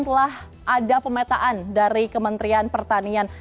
telah ada pemetaan dari kementerian pertanian